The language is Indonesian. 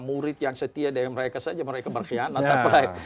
murid yang setia dengan mereka saja mereka berkhianat apa